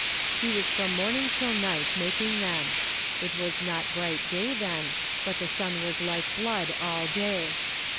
He was from morning till night making them ; it was not bright day then, but the sun was like blood all day.